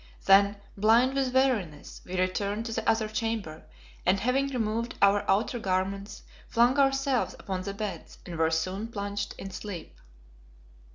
Then, blind with weariness, we returned to the other chamber and, having removed our outer garments, flung ourselves upon the beds and were soon plunged in sleep.